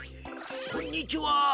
こんにちは